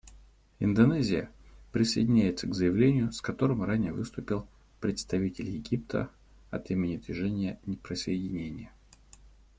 Индонезия присоединяется к заявлению, с которым ранее выступил представитель Египта от имени Движения неприсоединения.